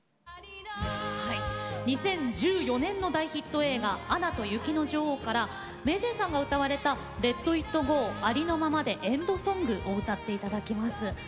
２０１４年の大ヒット映画「アナと雪の女王」からＭａｙＪ．さんが歌われた「ＬｅｔＩｔＧｏありのままでエンドソング」を歌っていただきます。